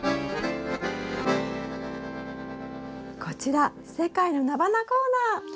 こちら世界のナバナコーナー！